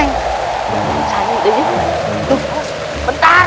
ibu sedar saja seperti rada